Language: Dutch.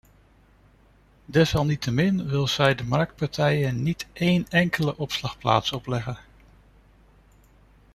Desalniettemin wil zij de marktpartijen niet één enkele opslagplaats opleggen.